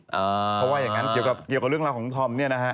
เพราะว่าอย่างนั้นเกี่ยวกับเรื่องราวของธอมเนี่ยนะฮะ